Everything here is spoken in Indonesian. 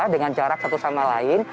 dengan jarak satu sama lain